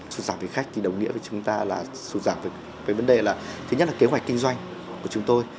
số giảm về khách thì đồng nghĩa với chúng ta là số giảm về vấn đề là thứ nhất là kế hoạch kinh doanh của chúng tôi